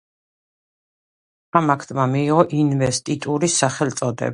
ამ აქტმა მიიღო ინვესტიტურის სახელწოდება.